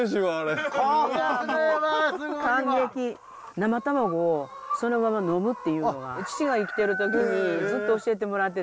生卵をそのまま飲むっていうのは父が生きてる時にずっと教えてもらってて。